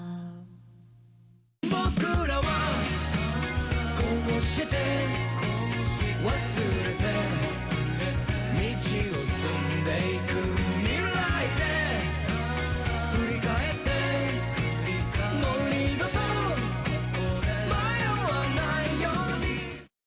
「僕らはこうして忘れて、道を進んでいく」「未来で振り返ってもう２度と迷わないように」